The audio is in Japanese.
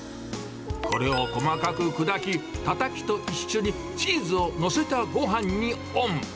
これを細かく砕き、たたきと一緒にチーズを載せたごはんにオン。